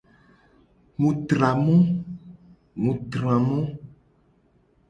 Mu tra mo.